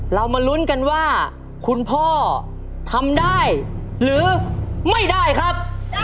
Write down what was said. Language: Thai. เรามาลุ้นกันว่าคุณพ่อทำได้หรือไม่ได้ครับ